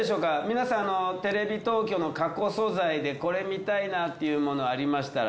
皆さんテレビ東京の過去素材でこれ見たいなというものありましたら。